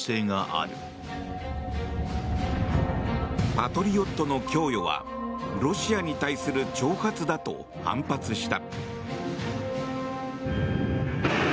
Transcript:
パトリオットの供与はロシアに対する挑発だと反発した。